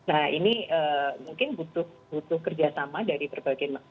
nah ini mungkin butuh kerjasama dari berbagai macam